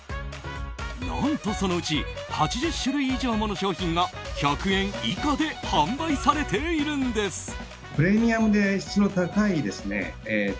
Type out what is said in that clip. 何と、そのうち８０種類以上もの商品が１００円以下で販売されているんです。